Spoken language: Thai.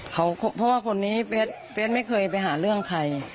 เพราะว่าคนนี้เฟสไม่เคยไปหาเรื่องใคร